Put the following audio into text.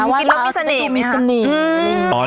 กินแล้วมีเสน่ห์มีเสน่ห์